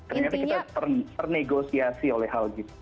ternyata kita ternegosiasi oleh hal gitu